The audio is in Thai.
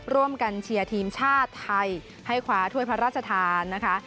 ร่วมกันเชียร์ทีมชาติไทยให้คว้าถ้วยพระราชทานนะคะ